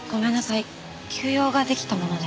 急用ができたもので。